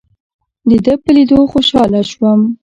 دده په لیدو خوشاله شوم.